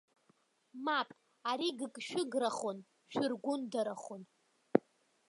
Мап, ари гыгшәыграхон, шәыргәындарахон!